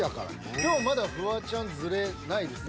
今日まだフワちゃんズレないですね。